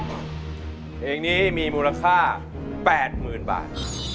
เพลงนี้มีมูลค่า๘๐๐๐บาท